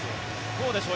どうでしょう